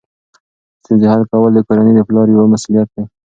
ستونزې حل کول د کورنۍ د پلار یوه مسؤلیت ده.